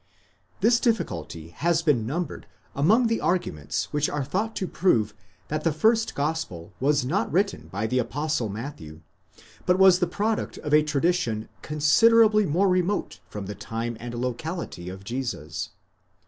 This difficulty has been numbered among the argu ments which are thought to prove that the first gospel was not written by the Apostle Matthew, but was the product of a tradition considerably more remote from the time and locality of Jesus.